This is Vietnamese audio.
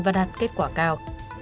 và đạt kết quả cao